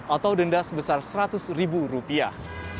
atau denda sebesar seratus ribu rupiah